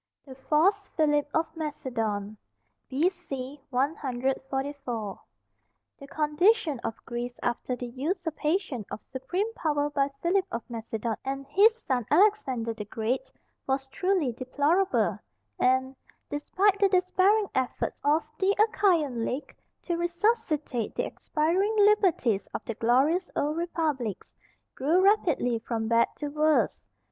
THE FALSE PHILIP OF MACEDON. B.C. 144. The condition of Greece after the usurpation of supreme power by Philip of Macedon and his son, Alexander the Great, was truly deplorable, and, despite the despairing efforts of the Achaian League to resuscitate the expiring liberties of the glorious old republics, grew rapidly from bad to worse.